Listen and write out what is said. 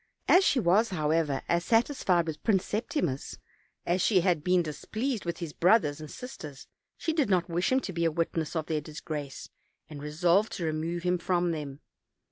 As she was.* how ever, as satisfied with Prince Septimus as she had been displeased with his brothers and sisters, she did not wish him to be a witness of their disgrace, and resolved to re move him from them.